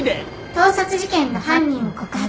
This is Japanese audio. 「盗撮事件の犯人を告発します！」